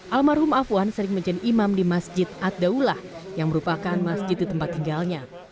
almarhum afwan sering menjadi imam di masjid atdaullah yang merupakan masjid di tempat tinggalnya